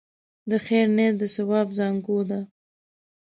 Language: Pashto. د خیر نیت د ثواب زانګو ده.